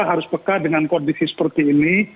harus peka dengan kondisi seperti ini